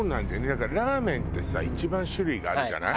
だからラーメンってさ一番種類があるじゃない？